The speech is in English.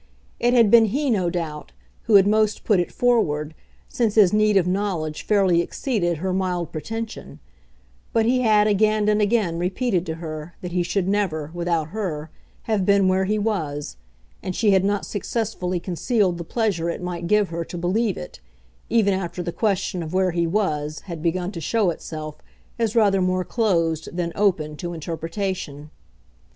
It had been he, no doubt, who had most put it forward, since his need of knowledge fairly exceeded her mild pretension; but he had again and again repeated to her that he should never, without her, have been where he was, and she had not successfully concealed the pleasure it might give her to believe it, even after the question of where he was had begun to show itself as rather more closed than open to interpretation.